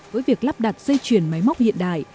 với việc lắp đặt dây chuyền máy móc hiện đại